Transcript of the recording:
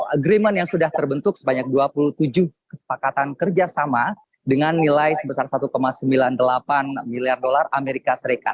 agreement yang sudah terbentuk sebanyak dua puluh tujuh kesepakatan kerjasama dengan nilai sebesar satu sembilan puluh delapan miliar dolar as